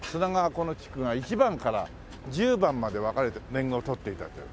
この地区が一番から十番まで分かれて年貢を取っていたという。